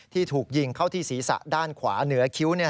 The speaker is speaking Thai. ถูกยิงเข้าที่ศีรษะด้านขวาเหนือคิ้ว